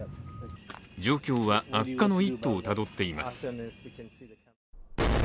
状況は悪化の一途をたどっています。